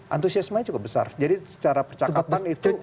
antusiasmenya cukup besar jadi secara percakapan itu